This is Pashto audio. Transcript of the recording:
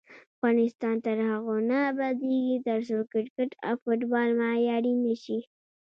افغانستان تر هغو نه ابادیږي، ترڅو کرکټ او فوټبال معیاري نشي.